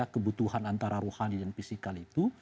kebutuhan antara rohani dan fisikal itu